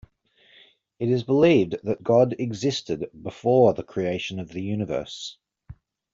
It is believed that God existed before the creation of the universe.